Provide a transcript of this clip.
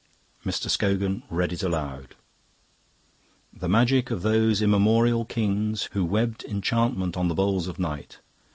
Mr. Scogan read it aloud: "The magic of those immemorial kings, Who webbed enchantment on the bowls of night.